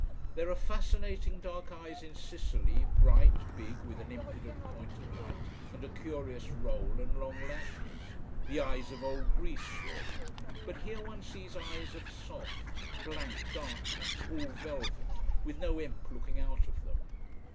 There are fascinating dark eyes in Sicily, bright, big, with an impudent point of light, and a curious roll, and long lashes: the eyes of old Greece, surely. But here one sees eyes of soft, blank darkness, all velvet, with no imp looking out of them.